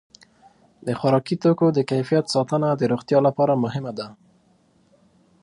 د خوراکي توکو د کیفیت ساتنه د روغتیا لپاره مهمه ده.